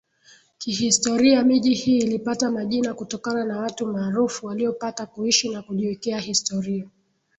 Kihistoria miji hii ilipata majina kutokana na watu maarufu waliopata kuishi na kujiwekea historia